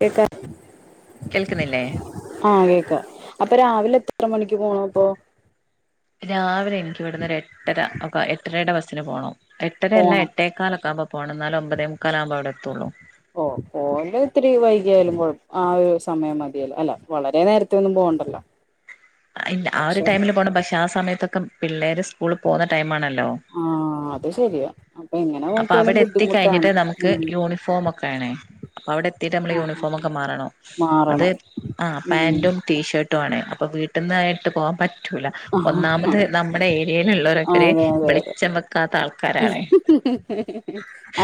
കേക്ക കേൾക്കുന്നില്ലെ. ആഹ് കേക്ക. അപ്പ രാവിലെ എത്ര മണിക്ക് പോണൊ ഇപ്പോ. രാവിലെ എനിക്ക് ഇവിടന്ന് ഒരു എട്ടര, ഒക്ക എട്ടരയുടെ ബസ്സിന് പോണം എട്ടരയല്ല. പോണം എട്ട് ഏട്ടേ ക്കാലൊക്കെ ആവുമ്പം പോണം. ഇന്നാലെ ഒമ്പതേ മുക്കലാവുമ്പൊ അവിടെത്തുള്ളു. ഓ പോലൊത്തിരി വൈക്യാലും കൊഴ് [unintelligible] ആ ഒരു സമയം മതിയല്ലോ. വളരെ നേരത്തെ ഒന്നും പോണ്ടല്ലോ. ആ ഒരു ടൈമില് പോണം. പക്ഷെ ആ സമയത്തൊക്കെ പിള്ളേര് സ്കൂള് പോണ ടൈംമാണല്ലോ. ആഹ് അത് ശെരിയ. അപ്പൊ അവിടെ എത്തി കഴിഞ്ഞിട്ട് നമുക്ക് ഉം യൂണിഫോമൊക്കെ ആണേ. അപ്പ അവിടെ എത്തിട്ട് നമ്മൾ ആഹ് ആഹ് ആഹ് യൂണിഫോമക്കെ മാറണം. അത് മാറണം ആ ഉം പാന്റും. ടീഷർട്ട്വാണ്. അപ്പ വീട്ടിന്നായിട്ട് പോവാൻ പറ്റ്. റ്റൂല. ആഹ് ഒന്നാമത് നമ്മുടെ ഏര്യേല്ള്ളവരൊക്കര് അതെ അതെ അതെ വെളിച്ചം വെക്കാത്ത ആൾക്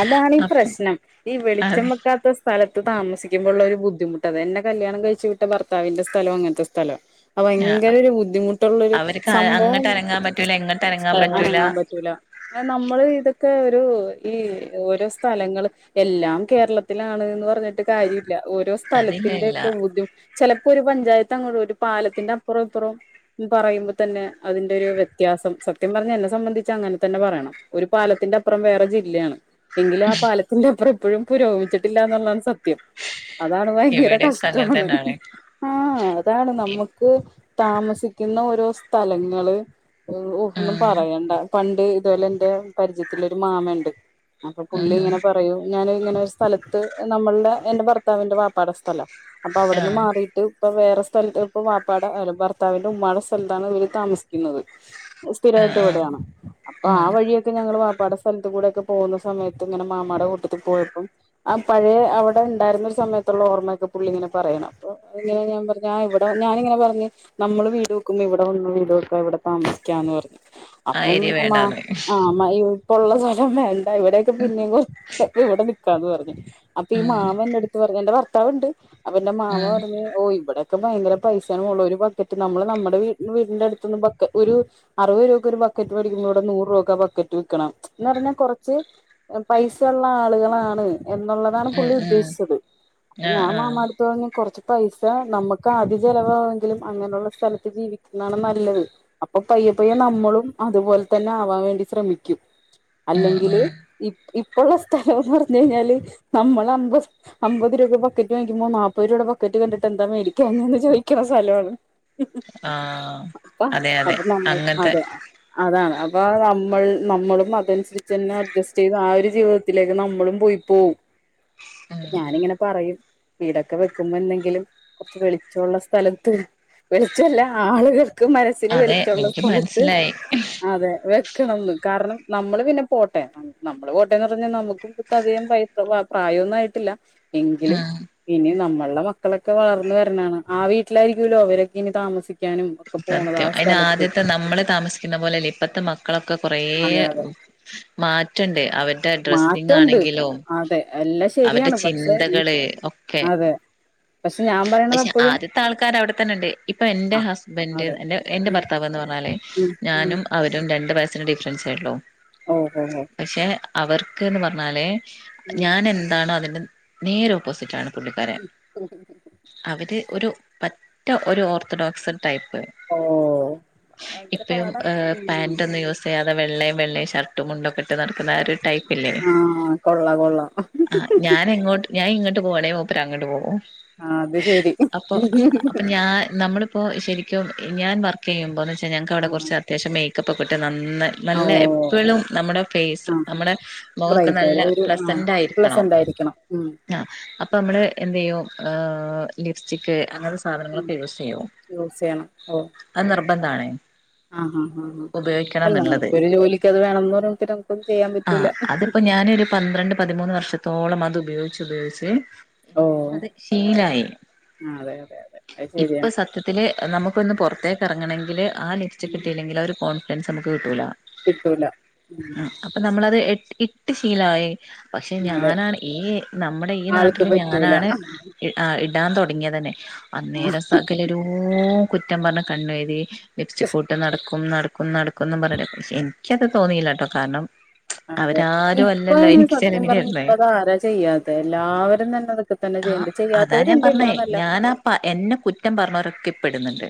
അതാണ് ഈ അപ്പം പ്രശ്നം. ഈ വെളിച്ചം വക്കാത്ത സ് സ്ഥലത്ത് താമസിക്കുമ്പൊ ഉള്ള ഒരു ബുദ്ധിമുട്ട്. അത് എന്നെ കല്യാണം കഴിച്ചു വിട്ട ഭർത്താവിന്റെ സ്ഥലം അങ്ങനത്തെ സ്ഥല ഭയങ്കര അതെ ഒരു ബുദ്ധിമുട്ടുള്ളരു അവർക്ക് സംഭവം അങ്ങട്ട് അനങ്ങാൻ പറ്റൂല ഇങ്ങട്ട് അനങ്ങാൻ [unintelligible] പറ്റൂല അനങ്ങാൻ പറ്റൂല. അ നമ്മള് ഇതൊക്കെ ഒരു ഈ ഓരോ സ്ഥലങ്ങള് എല്ലാം കേരളത്തിലാണ്ന്ന് പറഞ്ഞിട്ട് കാര്യ ഇല്ല. ഓരോ അതില്ല സ്ഥലത്തിന്റെ ഇല്ല ഒക്കെ ഭുധ് ചെലപ്പോ ഒരു പഞ്ചായത്ത് അങ്ങോ ഒരു പാലത്തിന്റെ അപ്പുറം ഇപ്പുറം. പറയുമ്പ തന്നെ അതിന്റെ ഒരു വ്യത്യാസം. സത്യം പറഞ്ഞ എന്നെ സംബന്ധിച്ച് അങ്ങൻ തന്നെ പറയണം. ഒരു പാലത്തിന്റെ അപ്പുറം വേറെ ജില്ലേണ്. എങ്കിലും ആ പാലത്തിന്റെ അപ്പുറം ഇപ്പഴും പുരോഗമിച്ചിട്ടില്ലന്നുള്ളാണ് സത്യം. അതാണ് ഭയങ്കര ഇവിടെക്കെ അങ്ങനെ കഷ്ടവാണ്. തന്നെയാണ് ആഹ് ആ. അതാണ് നമ്മുക്ക് താമസിക്കുന്ന ഓരോ സ്ഥലങ്ങള്. ഊ ഒന്നും ഉം പറയണ്ട. പണ്ട് ഇതുപോലെ ഇന്റെ പരിചയത്തിലൊരു മാമ ഇണ്ട്. അപ്പൊ ഉം പുള്ളി ആഹ് ഇങ്ങനെ പറയും. ഞാനിങ്ങനെ ഒരു സ്ഥലത്ത് നമ്മളുടെ എന്റെ ഭർത്താവിന്റെ പാപ്പാട സ്ഥല അപ്പൊ അവിടുന്ന് ആഹ് മാറിയിട്ട്. ഇപ്പൊ വേറെ സ്ഥലത്ത് ഇപ്പ വാപ്പാട ഭർത്താവിന്റെ ഉമ്മാടെ സ്ഥലത്താണ് ഇവര് താമസിക്കുന്നത്. സ്ഥിര വായിട്ട് ആഹ് ഇവിടെയാണ്. അപ്പൊ ആ ഉം വഴിയൊക്കെ ഞ ഞങ്ങള് വാപ്പാടെ സ്ഥലത്ത് കൂടെക്കെ പോന്ന സമയത്ത് ഇങ്ങനെ മാമാടെ കൂട്ടത്തിൽ പോയപ്പം. ആ പഴയ അവിടെ ഉണ്ടായിരുന്നൊരു സമയത്തുള്ള ഓർമ്മക്കെ പുള്ളി ഇങ്ങനെ പറയണം. അപ്പൊ ഇങ്ങനെ ഞാൻ പറ ഞാൻ ഇവ്ടെ ഞാനിങ്ങനെ പറ്ഞ്ഞ്. നമ്മള് വീട് വെക്കുമ്പൊ ഇവ്ടെ വെന്ന് വീട് വെക്കാ ഇവ്ടെ താമ്സിക്കാംന്ന് പറ്ഞ്ഞ്. ആ അപ്പം ഏരിയ അമ്മാഹ് വേണ്ടാന്ന് ആ അമ്മ ഇപ്പൊ ഉള്ള സ്ഥലം വേണ്ട ഇവരൊക്കെ പിന്നിം കൊറ് [unintelligible] ഇവ്ടെനിക്കാന്ന് പറഞ്ഞ് അപ്പൊ ഈ ഉം മാമന്റെട്ത്ത് പറഞ്ഞു എന്റെ ഭർത്താവ്ണ്ട് അപ്പ പിന്നെ മാമ ഉം പറഞ്ഞ് ഓ ഇവടെയൊക്കെ ഭയങ്കര പൈസയാണ് മോളേ ഒരുബക്കറ്റ് നമ്മള് നമ്മ്ടെ വീട് വീടിന്റെ അട്ത്ത്ന്ന് ബക്കറ്റ് ഒരു അറുപത് രൂപക്കൊര് ബക്കറ്റ് വേടിക്ക്മ്പോ ഇവ്ടെ നൂറ് രൂപക്കാ ബക്കറ്റ് വിക്കണേ എന്ന്പറഞ്ഞാ കൊറച്ച് പൈസയുള്ള ആളുകളാണ് എന്നുള്ളതാണ് ഉം പുള്ളി ഉം ഉദ്ദേശിച്ചത്. അപ്പൊ ആഹ് ഞാൻ ആഹ് മാമാട് ത്ത് പറഞ്ഞ് കൊറച്ച് പൈസ നമ്മക്കാദ്യം ചെലവാവുങ്കിലും അങ്ങനെള്ള സ്ഥലത്ത് ജീവിക്കുന്നതാണ് നല്ലത് അപ്പൊ പയ്യെപ്പയ്യെ നമ്മളും അത്പോലെതന്നെ ആവാൻവേണ്ടിശ്രമിക്കും ഉം അല്ലെങ്കില് ഉം ഈ ഇപ്പൊള്ള സ്ഥലംന്ന് പറഞ്ഞ്കഴിഞ്ഞാല് നമ്മളെ അന്തസ് അമ്പത് രൂപക്ക് ബക്കറ്റ് വാങ്ങിക്കുമ്പോൾ നാപ്പത് രൂപയുടെ ബക്കറ്റ് കണ്ടിട്ട് എന്താമേടിക്കാഞ്ഞേന്ന് ചോദിയ്ക്കണ സ്ഥലാണ് ആഹ് അപ്പ അതെ അതെ അപ്പ നമ്മൾ അങ്ങനത്തെ അതെ അതാണ് അപ്പ നമ്മൾ നമ്മളും അതനുസരിച്ചന്നെ അഡ്ജസ്റ്റെയ്ത് ആ ഒര് ജീവിത ത്തിലേക്ക് നമ്മളും പോയ്പ്പോവും. [inaudible] ഞാനിങ്ങനെപറയും വീടൊക്കെ വെക്കുമ്പോ എന്നെങ്കിലും കൊറച്ച് വെളിച്ചവൊള്ള സ്ഥലത്ത് വെളിച്ചവല്ല ആളുകൾക്ക് മന സിന് അതെ വെളിച്ചോള്ള എനിക്ക് സ്ഥലത്ത് മനസ്സിലായി അതെ വെക്കണംന്ന് കാരണം നമ്മള് പിന്നെപോട്ടെ നമ്മള് പോട്ടേന്ന് പറഞ്ഞാ നമുക്കും ഇപ്പോ അധികം പ്രായോംന്ന്വായിട്ടില്ല എങ്കിലും ഉം ഇനി നമ്മൾടെ മക്കളൊക്കെ വളർന്ന് വര്ണാണ് ആ വീട്ടിലായ്രിക്കൂലോ അവരൊക്കെ ഇനിതാമസിക്കാനും സത്യം അയിനാദ്യത്തെ നമ്മള് താമസിക്കണ പോലെല്ല ഇപ്പത്തെ മ ക്കളൊക്കെ കൊറേ അതെ അതെ മാറ്റണ്ട് അവര്ടെ മാറ്റമുണ്ട് ഡ്രസ്സിംഗാണെങ്കിലും അതെ എല്ലാം അവര്ടെ ശരിയാണ് പക്ഷെ ഈ ചിന്തകള് ഒക്കെ അതെ പക്ഷെ ഞാൻ പറയണത് പക്ഷെ അപ്പോഴും ആദ്യത്തെ ആൾക്കാര് അവ്ടെത്തന്നെണ്ട് ഇപ്പൊ എന്റെ ആ ഹസ് ബൻ്റ് അതെ എന്റെ എന്റെ ഉം ഭർത്താവ്ന്ന് പറഞ്ഞാല് ഉം ഉം ഞാനും അവരും രണ്ട് വയസ്സിന് ഡിഫറെൻസേള്ളു ഓഹ് ഓഹ് ഓഹ് പക്ഷെ അവർക്ക്ന്ന് പറഞ്ഞാല് ഉം ഞാനെന്താണോ അതിൻ്റെ നേരെ ഓപ്പോസിറ്റാണ് പുള്ളിക്കാരൻ അവര് ഒരു പറ്റ ഒര് ഓർത്തഡോക്സ് ടൈപ്പ് ഓ ഭയങ്കര ഇപ്പഴും പാടാ ഏഹ് ഉം പാന്റൊന്നും യൂസ് ചെയ്യാതെ വെള്ളയും വെള്ളയും ഷർട്ടും മുണ്ടൊക്കെട്ട് നടക്ക്ന്ന ഒര് ടൈപ്പ് ആഹ് കൊള്ളാം കൊള്ളാം ആഹ് ഞാനെങ്ങോട്ട് ഞാൻ ഇങ്ങട്ട് പോവാണേ മൂപ്പരങ്ങട്ട് പോവും ആ അത് ശരി അപ്പൊ അപ്പൊഞാ നമ്മള് പ്പോ ശെരിക്കും ഞാൻ വർക്കെയ്യുമ്പോ ന്ന് വെച്ചാ ഞങ്ങക്ക് അവ്ടെ കൊറച്ച് അത്യാവശ്യം മേയ്ക്കപ്പൊക്കെയിട്ട് നന്ന് ആ നല്ല ഓ എപ്പളും നമ്മടെ ഫേസ് ആ നമ്മടെ മുഖൊക്കെ നല്ല പ്ലെസന്റായിരിക്കണം രിക്കണം ഉം ആഹ് അപ്പമ്മള് എന്തെയ്യും ലിപ്സ്റ്റിക്ക് അങ്ങൻത്തെ സാധനങ്ങളൊക്കെ യൂസെയ്യും യൂസെയ്യണം ഓഹ് അത് നിർബന്ധാണ്. ആഹ് ആഹ് ആഹ് ആഹ് അല്ല അതാണ് എന്നുള്ളത് ഒര് ജോലിക്കത് വേണംന്ന് പറഞ്ഞ്ടത്ത് നമുക്കൊന്നും ചെയ്യാൻപറ്റൂല ഞാനൊര് പന്ത്രണ്ട് പതിമൂന്ന് വർഷത്തോളം അത് ഉപയോഗിച്ചുപയോഗിച്ച് ഓ അത് ‌ശീലായി ആ അതെ അതെ അതെ അത് ശരിയാ ഇപ്പ സത്യത്തില് നമുക്കൊന്ന് പൊറത്തേക്ക് എറങ്ങണെങ്കില് ആ ലിപ്സ്റ്റിക്കിട്ടീലെങ്കില് ഒരു കോൺഫിഡൻസമ്മക്ക് കിട്ടൂലാ കിട്ടൂല ഉം അപ്പ നമ്മളത് എട് ഇട്ട് ശീലായി പക്ഷെ അതെ ഞാനാണ് ഈ നമ്മുടെ ഈ ആൾക്ക് നാട്ടില് പറ്റൂല ഞാനാണ് ആ ഇടാൻ തൊടങ്ങിയതന്നെ ആ അന്നേര സകലൊരൂ കുറ്റം പറഞ് കണ്ണേ ഴുതി ലിപ്സ്റ്റികൂട്ട് നടക്കും നടക്കും നടക്കുന്നും പറഞ്ഞ്ട്ട് ‌ പക്ഷെ എനിക്കത് തോന്നിയില്ല ട്ടോകാരണം ആഹ് അതെ ഇപ്പ ഐന് സത്യം പറഞ്ഞ തരുന്നേ ഇപ്പ അതാരാചെയ്യാത്തെ എല്ലാവരും തന്നെ അതൊക്കെ തന്നെ ചെയ്യണ്ട് ചെയ്യാ ത്തവര്ണ്ട് ഇല്ലാന്നല്ല പ്പ എന്നെ കുറ്റം പറഞ്ഞോരൊക്കെ ഇപ്പടുന്നുണ്ട്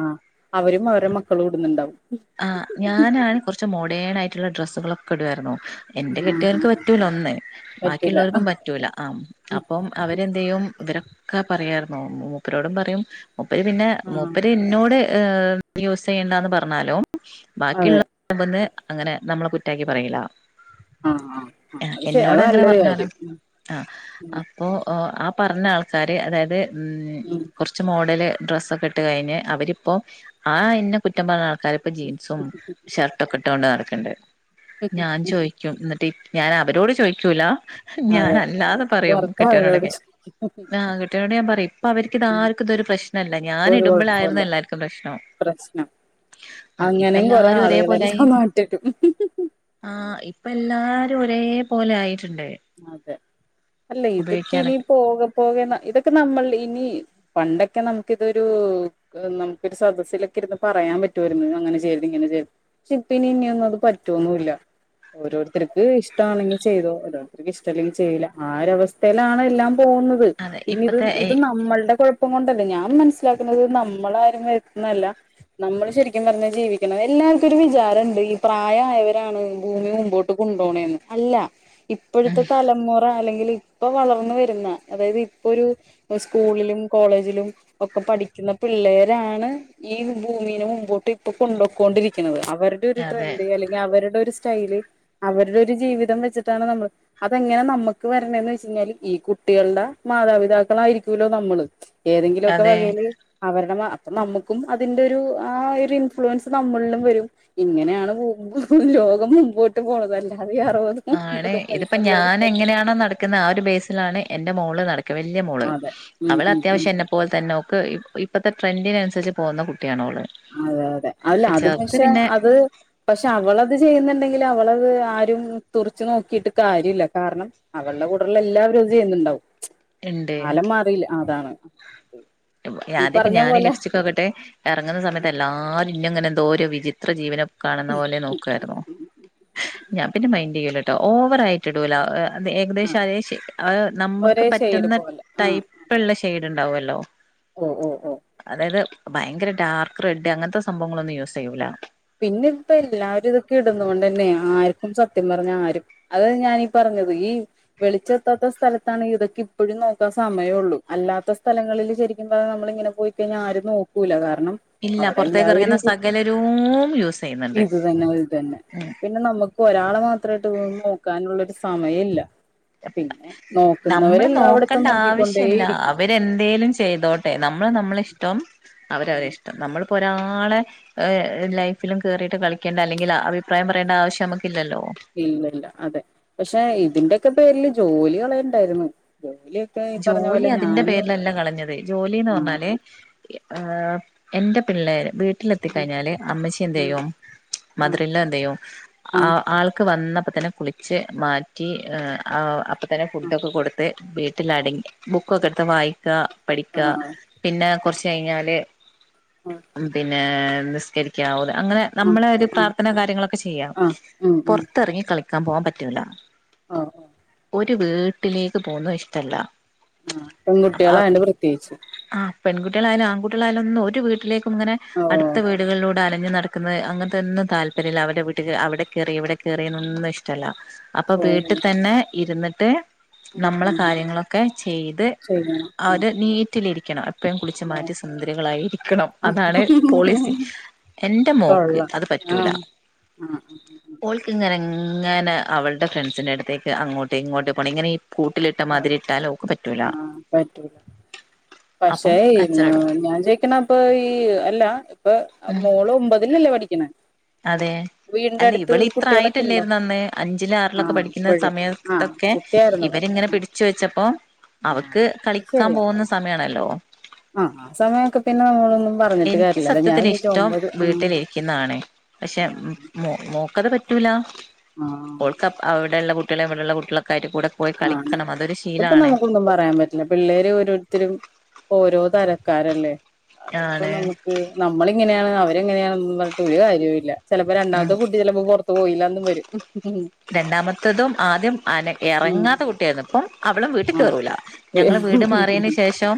ആഹ് അവരും അവരുടെ മക്കളു ടുന്നുണ്ടാവും ആഹ് ഞാനാണ് കൊറച്ച് മോഡേണായിട്ടുള്ള ഡ്രസ്സുകളൊക്കെ ഇടുവാരുന്നു എന്റെ ആഹ് കെട്ടോൻക്ക് ആഹ് പറ്റൂല ഒന്ന് പറ്റൂല ബാക്കിയുള്ളവർക്കും പറ്റൂല ആം അപ്പം അവരെന്തയ്യും ഇവരൊക്കെ പറയാർന്നു. മൂപ്പരോടും പറയും മൂപ്പര് പിന്നെ ആഹ് മൂപ്പര് ന് ന്നോട് യൂസ് ചെയ്യണ്ടാന്ന് പറഞ്ഞാലും ബാക്കിയുള്ള അതെ മുമ്പന്ന് അങ്ങനെ നമ്മളെ കുറ്റാക്കി പറയില ആഹ് ആഹ് ആഹ് ഏ അത് ശ എന്നോട് അത് അങ്ങനെ നല്ലൊരു പറഞ്ഞാലും കാര്യം ഉം ആഹ് ഉം അപ്പോ ആ പറഞ്ഞ ആൾക്കാര് അതായത് ഉം കൊറച്ച് മോഡല് ഡ്രസ്സൊക്കെട്ട് കഴിഞ്ഞ് അവരിപ്പോ ആ ഇന്ന കുറ്റം പറഞ്ഞ അവരിപ്പോ ജീൻസും ഷർടൊക്കെ ഇട്ടോണ്ട് നടക്കണ്ട് ഞാൻ ചോയി ക്കും ന്നിട്ട് ട്ടി ഞാനവരോട് ചോയിക്കൂല അതെ ഞാനല്ലാതെ പറയും വെറുതെ അവരോട് കെട്ടിയനോടക്കെ ചോദിക്കും ആഹ് ട്ട്യോനോട് ഞാൻ പറയും ഇപ്പ വര്ക്ക് ഇതാര് ക്കും ഇത് ഒരു പ്രശ് ഇപ്പൊരു ഒരു കൊഴപ്പോല്ല പ്രശ്നം ആ ഇപ്പ അങ്ങനെയും കൊറെ എല്ലാരും ഒരേ ആളുകളെല്ലാനാട്ടിറ്റും ആഹ് ഇപ്പ എല്ലാരു ഒരേ പോലെ ആയിട്ടുണ്ട് അതെ അല്ല ഇതൊക്കെ ഇനി ഉപയോഗിക്കാനൊക്കെ പോകെ പോകെ ഇതൊക്കെ നമ്മൾ ഇനി പണ്ടൊക്കെ നമുക്കിതൊരു ക് നമുകൊരു സദസ്സിലൊക്കെ രുന്ന് പറയാൻ പറ്റുവമായിരുന്നു അങ്ങനെ ചെയ്യര് തു ഇങ്ങനെ ചെയരത് പക്ഷെപ്പനിഇനൊന്നുംഅത്പറ്റോ ന്നില്ല ഓരോരുത്തർക്ക് ഇഷ്ടമാണെങ്കിൽ ചെയ്തോ അതോ വര്ക്ക് ഇഷ്ടമല്ലെങ്കിൽചെയ്യു ല. ആഒരവസ്ഥയിലാണ് എല്ലാം പോകുന്നത്. അതെ പിന്ന ഇത് ഇപ്പത്തെ ഇത് നമ്മൾടെ കൊഴപ്പ പ്പം കൊണ്ടല്ലേ ഞാൻ മനസ്സിലാക്ന്നത്‌നമ്മള ആരും വര്ത് ന്നതല്ല നമ്മള്ശരിക്കുംപറഞ്ഞാജീവിക്കണം എല്ലാവർക്കുംരു വിചാരംഇണ്ട് ഈ പ്രായമായവരാണ് ഭൂമി മുമ്പോട്ട് കൊണ്ടോണേന്ന് അല്ല ഉം ഇപ്പോഴത്തെ തലമുറ അല്ലെങ്കിൽ ഇപ്പൊ വളർന്നു വരുന്ന അതായത് ഇപ്പൊ രു പ്പ സ്കൂളിലും കോളേജിലുംഒക്കെ പഠിക്കുന്ന പിള്ളേരാണ് ഈ ഭൂമിനെ മുമ്പോട്ട് ഇപ്പൊ കൊണ്ടുക്കോണ്ടിരിക്കുന്നത് അവര്ടെ ഒരു അതെ ട്രെൻഡ് അല്ലെങ്കിൽ അവരുടെ ഒരു സ്റ്റൈല് അവരുടെ ഒരു ജീവിതം വെച്ചിട്ടാണ് നമ്മൾ അതെങ്ങനെ നമ്മുക്ക് വരണേന്നയിച്ച യിഞ്ഞാല് ഈ കുട്ടികള്ടെ മാതാപിതാക്കളായിരിക്കൂല്ലോ നമ്മള് ഏതെങ്കിലു ഒക്കെ അതെ വകേല് അവരുടെ മ നമ്മുക്കും അതിന്റെ ഒരു ആ ഒര് ഇൻഫ്ലുവൻസ് നമ്മളിലും വരും ഇങ്ങനെ ആണ് [unintelligible] ലോകം മുമ്പോട്ട് പോണത് അല്ലാതെ ഈ അറുപത് ആണ് ഇത് ഇപ്പം ഞാനെങ്ങനാണോ നടക്‌ ക്ക്‌ന്ന ആ ഒരുബേസിലാണ് എന്റെ മോള് നടക്ക വല്യമോള് അതെ ഉം അവള ഉം ഉം ത്യാവശ്യം എന്നെ പോ പോലെ തന്നെ ഓക്ക് ഇ ഇപ്പത്തെ ട്രെൻഡിന നുസരിച്ച് പോകുന്ന കുട്ടിയാണോള് അതെ യതെ അല്ല അത് പക്ഷെ അത് പക്ഷെ അവളത്ചെയ്യുന്നുണ്ടെങ്കില വളത് ആരും തുറിച്ച് നോക്കിട്ട് കാര്യല്ല കാരണം അവൾടെകൂടെള്ള എല്ലാരും അത് ചെയ്യുന്നുണ്ടാവും. ഇണ്ട് കാലം മാറിയിലേ അതാണത് ആദ്യമൊക്കെ ഞാന് ലിപ്സ്റ്റിക്കൊക്കെട്ട് ഇറങ്ങുന്ന സമയത്ത് എല്ലാരും ഇന്നെ ഇങ്ങനെ എന്തോര് വിചിത്ര ജീവിനെ കാണുന്ന പോലെ നോക്കാരുന്നു ഞാൻ പിന്നെ മൈൻഡ് ചെയ്യൂലട്ടോ ഓവറായിട്ട് ഇടൂല അത് ആ ഏകദേശം അതേ നമുക്ക് ഒരേ ഷെയ്ഡ് പറ്റുന്ന പോലെ ആ ടൈപ്പുള്ള ഷെയ്ഡ് ഇണ്ടാവല്ലോ ഓഹ് ഓഹ് ഓഹ് അതായത് ഭയങ്കര ഡാർക്ക് റെഡ് അങ്ങനത്തെ സംഭവങ്ങളൊന്നും യൂസ് ചെയ്യൂല പിന്നെ ഇപ്പം എല്ലാരും ഇതൊക്കെ ഇടുന്ന കൊണ്ട് തന്നെ ആർക്കും സത്യം പറഞ്ഞ ആരും അതാ ഞാനീ പറഞ്ഞത് ഈ വെളിച്ചെത്താത്ത സ്ഥലത്താണ് ഇതൊക്കെ ഇപ്പോഴും നോക്കാ സമയള്ളൂ അല്ലാത്ത സ്ഥലങ്ങളിൽ ശരിക്കും പറഞ്ഞ നമ്മള് ഇങ്ങനെ പോയി കഴിഞ്ഞാൽ ആരും നോക്കൂല്ല കാരണം ഇല്ല അവിടെ പുറത്തേക്ക് എല്ലാവരും ഇറങ്ങുന്ന ഇത് സകലരും യൂസ് ചെയ്യുന്നുണ്ട് ഇത് തന്നെ ഇതു തന്നെ ഉം പിന്നെ നമക്ക് ഇപ്പൊ ഒരാളെ മാത്രമായിട്ട് നോക്കാനുള്ളൊരു സമയം ഇല്ല പിന്നെ നോക്കുന്നവരെല്ലായിടത്തും നോക്കിക്കൊണ്ടേ ഇരിക്കും ഇത് എന്തെലും ചെയ്തോട്ടെ നമ്മള് നമ്മളെ ഇഷ്ടം അവരവരിഷ്ടം നമ്മളിപ്പോ ഒരാളെ ഏഹ് ലൈഫിലും കേറിട്ട് കളിക്കേണ്ട അല്ലെങ്കിൽ അഭിപ്രായം പറയേണ്ട ആവശ്യം നമുക്കില്ലല്ലോ ഇല്ല ഇല്ല അതെ പക്ഷെ ഇതിന്റെ ഒക്കെ പേരിൽ ജോലി കളയണ്ടായിരുന്നു ജോലി ജോലി അതിന്റെ പേരിലല്ല കളഞ്ഞത് ജോലിന്ന് പറഞ്ഞാല് ആഹ് എന്റെ പിള്ളേര് വീട്ട ആ വീട്ടിലെത്തിക്കഴിഞ്ഞാല് അമ്മച്ചി ഉം എന്തയ്യും ആഹ് മതർല്ലോ എന്തയ്യും ആ ആഹ് ആൾക്ക് വന്നപ്പോ തന്നെ കുളിക്ക ച്ച് മാറ്റി ആ അപ്പ തന്നെ ഫുഡൊക്കെ കൊടുത്ത് വീ ലടങ്ങി ബുക്കൊക്കെടുത്ത് വായിക്ക പഠിക്ക ആഹ് പിന്നെ കുറച്ച് കഴിഞ്ഞാല് ആഹ് ആഹ് പിന്നെ നിസ്കരിക്ക ഓതാ അങ്ങനെ.. നമ്മളെ ഒരു ആഹ് പ്രാർത്ഥന കാര്യങ്ങൾ ഒക്കെ ചെയ്യാ ആഹ് ആഹ് ഉം ഉം പുറത്തിറങ്ങി കളിക്കാൻ പോകാൻ പറ്റൂല ആഹ് ഒരു വീട്ടിലേക്ക് പോവുന്നതും ഇഷ്ടല്ല ആഹ് അത് പെൺകുട്ടികളായോണ്ട് പ്രത്യേകിച്ച് ആഹ് പെൺകുട്ടികളായാലും ആൺകുട്ടികളായാലും ഒന്നും ഒരു വീട്ടിലേക്ക് ഇപ്പം ഇങ്ങനെ അടുത്ത ഓഹ് വീടുകളിലൂ അലഞ് നടക്കുന്നത് അങ്ങനത്തെന്നും താല്പര്യല്ല അവരുടെ വീട്ടിൽ അവിടെ കയറി ഇവിടെ കയറിയൊന്നുംഷ്ടല്ല അപ്പം ഓഹ് വീട്ടിൽ അങ്ങനെ തന്നെ ഇരുന്നിട്ട് ഉം നമ്മളെ ഉം കാര്യങ്ങളൊക്കെ ചെയ്ത് ചെയ്യണം ഉം അവര് നീറ്റിലിരിക്കണം എപ്പോഴും കുളിച്ച് മാറ്റി ഓഹ് സുന്ദരികളായിരിക്കണം അതാണ് പോളിസി എന്റെ മോൾക്ക് കൊള്ളാം അത് പറ്റൂല ആഹ് ആഹ് ഓൾക്ക് ഇങ്ങനെ എങ്ങനെ അവളുടെ ഫ്രണ്ട്സിൻറെ അടുത്തേക്ക് അങ്ങോട്ട് ഇങ്ങോട്ട് പോണം ഇങ്ങനെ ഈ പൂ ആഹ് ആഹ് പറ്റൂല പക്ഷേ അപ്പം ഈ കച്ചറ ഇടും ഞാൻ ചോയിക്കണ അപ്പൊ ഈ അല്ല ഇപ്പൊ ഉം മോള് ഒമ്പതിലല്ലേ പഠിക്ക ക്ക്ണേ അതെ അല്ല ഇവളിത്ര കുട്ടികളൊക്കെ ഉണ്ടോ ആയിട്ടല്ലാരുന്നു അന്ന് അഞ്ചില് ആറിലൊക്കെ ആഹ് പഠിക്കുന്ന ഇപ്പഴ് ആഹ് സമയത്തൊക്കെ കുട്ടിയായിരുന്നു ഇവരിങ്ങനെ ആഹ് പിടിച്ചു വെച്ചപ്പോ അവൾക്ക് ആഹ് കളിക്കാൻ ശരിയാ പോകുന്ന സമയാണല്ലോ ആ ആ സമയമൊക്കെ പിന്നെ നമ്മളൊന്നും പറഞ്ഞിട്ട് എനിക്ക് കാര്യല്ലല്ലോ ഞാൻ സത്യത്തില് ചോദിച്ച ഇഷ്ടം ഒമ്പത് ആ വീട്ടിലിരിക്കുന്നതാണ് പക്ഷെ ആ മോ മോക്കത് പറ്റൂല ആ ഓൾക്ക് അവിടെള്ള കുട്ടികളെ ഇവിടെള്ള കുട്ടികളൊ ക്കായിട്ട് കൂടെ പോയി കളിക്ക അതിപ്പോ നമുക്കൊന്നും പറയാൻ പറ്റു ല്ല പിന്നെ പിള്ളേര് ഓരോരുത്തരും ഓരോ തരക്കാരല്ലേ അതിപ്പോ ആണ് നമുക്ക് നമ്മളിങ്ങനെയാണ് അവരെങ്ങനെയന്ന് പറഞ്ഞട്ട് ഒരു കാര്യല്ല ചിലപ്പോ ഉം രണ്ടാമത്തെ കുട്ട ട്ടി ചിലപ്പോ പുറത്ത് പോയില്ലന്നും വരും രണ്ടാമത്തതും ആദ്യം ആന ഉം ഇറങ്ങാത്ത കുട്ടിയായിരുന്നു ഇപ്പം അവളും വീട്ടിൽ ആ കേറൂല ഞങ്ങള് വീട് മാറിയതിന് ശേഷം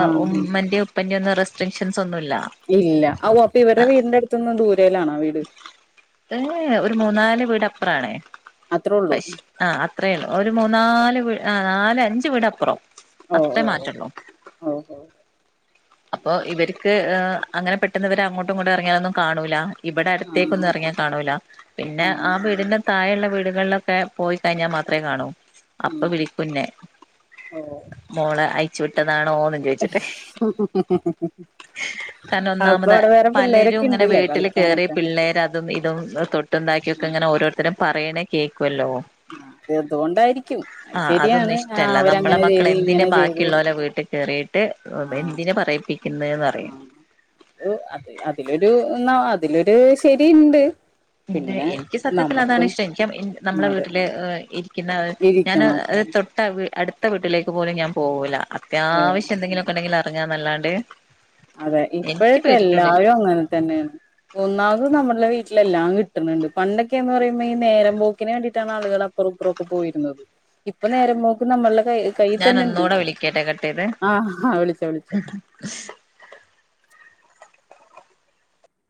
ആ ഉമ്മന്റെ ഉപ്പന്റെ ഒന്നും റെസ്ട്രിക്ഷൻസ് ഒന്നുല്ല ഇല്ല ഓഹ് അപ്പൊ ഇവരുടെ വീടിന്റെ അടുത്തൊന്നും ദൂരയിലാണോ വീട്? ഏഹ് ഒരു മൂന്നാല് വീടപ്പറാണ് അത്രേ ഉള്ളൂ പശ് ആഹ് അത്രേള്ളൂ ഒരു മൂന്നാല് വ് ആഹ് നാല് അഞ്ച് വീടപ്പറം. ഓ അത്രേ ഓ മാറ്റള്ളൂ ഓ ഓ അപ്പൊ ഇവര്ക്ക് ഏഹ്. അങ്ങനെ പെട്ടന്ന് വര് അങ്ങോട്ടും ഇങ്ങട്ടും എറങ്യാലൊന്നും കാണൂല ഇവടെ ആ അടുത്തേക്കൊന്നറങ്ങ കാണൂല പിന്നെ ആ ആഹ് വീടിന്റെ താഴെള്ള വീടുകളിലൊക്കെ പോയി കയിഞ്ഞാ മാത്രേ കാണൂ. അപ്പ ഉം വിളിക്കുന്നേ ഓ മോളെ അയിച്ചു വിട്ടതാണോന്ന്. ചിട്ട് കാരണം അപ്പൊ ഒന്നാമത് അവിടെ വേറെ പിള്ളേരൊക്കെ പലരുങ്ങനെ ഉണ്ടല്ലേ വീട്ടില്. കേറി കളിക്കാനൊക്കെ പിള്ളേർ അതും ഇതും തൊട്ടുണ്ടാക്കിയൊക്കെ ഇങ്ങനെ ഓരോരുത്തരും പറയണേ കേക്കൊല്ലോ. അത് അതുകൊണ്ടായിരിക്കും അത് ആഹ് അതൊന്നും ശരിയാണ് ആ ഇഷ്ടല്ല നമ്മളെ അവരങ്ങനെ മക്കള് ചെയ്ത് എന്തിന് ഇങ്ങനെ ചെയ്ത് ബാക്കിള്ളോലെ വീട്ട് കേറി. ട്ട് എന്തിന് പറയിപ്പി ആഹ് അത് അതിലൊരു ഇന്നാ അതിലൊരു ശരിണ്ട്. ന്നിട്ട് എനിക്ക് സത്യത്തില് അതാണ് ഇഷ്ടം എനിക്ക് നമ്മളെ അതെ വീട്ടില് ഇ പിന്ന അത് ഞാന് ഇരിക്കണം തൊട്ട അടുത്ത വീട്ടിലേക്ക് പോലും ഞാൻ പോവൂല. ഓ അത്യാവശ്യ എന്തെങ്കിലൊക്കെ ഇണ്ടെങ്കില് അറങ്ങാന്നല്ലാണ്ട്. അതെ ഇപ്പഴൊക്കെ എല്ലാരും അങ്ങനെ തന്നെണ്. ഒന്നാമത് നമ്മുടെ വീട്ടിലെല്ലാം കിട്ടുന്ന്ണ്ട് പണ്ടൊക്കെ എന്ന് പറയുമ്പോ ഈഹ് നേരം പോക്കിന് വേണ്ടിട്ടാണ് ആളുകള്. പറപ്പറൊക്കെ പോയിരുന്നത് ഇപ്പൊ നേരമ്പോക്ക് നമ്മളുടെ കൈ. കയ്യ് ഞാൻ തന്നെ ഇണ്ട് ഒന്നൂടെ വിളിക്കട്ടെ കട്ട് ചെയ്ത് ആഹ് ആഹ് വിളിചാ വിളിച്ചാ. [unintelligible]